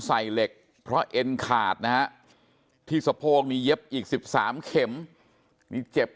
ใส่เหล็กเพราะเอ็นขาดนะฮะที่สะโพกนี่เย็บอีก๑๓เข็มมีเจ็บ